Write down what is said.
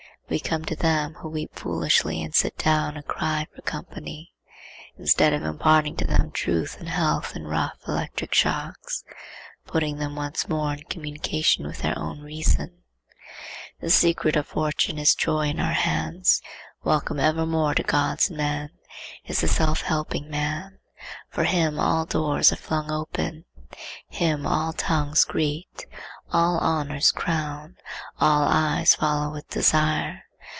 We come to them who weep foolishly and sit down and cry for company, instead of imparting to them truth and health in rough electric shocks, putting them once more in communication with their own reason. The secret of fortune is joy in our hands. Welcome evermore to gods and men is the self helping man. For him all doors are flung wide; him all tongues greet, all honors crown, all eyes follow with desire.